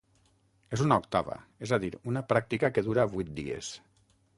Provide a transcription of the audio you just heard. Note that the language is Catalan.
És una octava, es a dir, una pràctica que dura vuit dies.